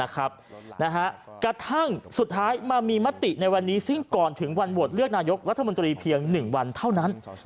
กระทั่งสุดท้ายมามีมติในวันนี้ซึ่งก่อนถึงวันโหวตเลือกนายกรัฐมนตรีเพียง๑วันเท่านั้น